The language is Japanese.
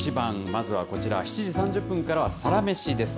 まずはこちら、７時３０分からはサラメシです。